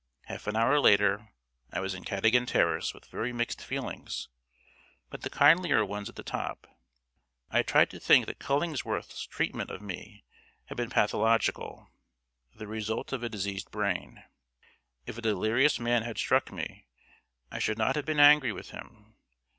Half an hour later I was in Cadogan Terrace with very mixed feelings, but the kindlier ones at the top. I tried to think that Cullingworth's treatment of me had been pathological the result of a diseased brain. If a delirious man had struck me, I should not have been angry with him.